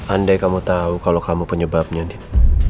andai kamu tau kalau kamu penyebabnya din